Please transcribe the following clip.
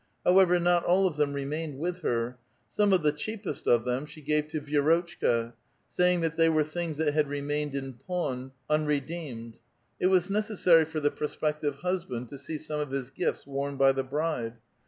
However, not all of them remained with her ; some of the cheapest of them she gave to Vi(^rotchka, say ing that the}' were things that had remained in pawn unre deemed. It was necessary for the prospective husband to see some of his gifts worn by the bride